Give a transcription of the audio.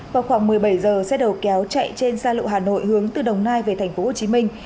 vào khoảng một mươi bảy giờ xe đầu kéo chạy trên xa lộ hà nội hướng từ đồng nai về thành phố hồ chí minh